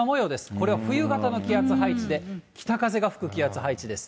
これは冬型の気圧配置で、北風が吹く気圧配置です。